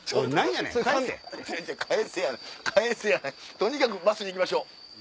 とにかくバスに行きましょう。